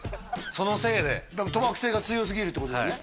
そのせいで賭博性が強すぎるってことだよね